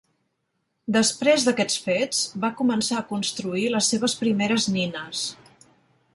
Després d'aquests fets, va començar a construir les seves primeres nines.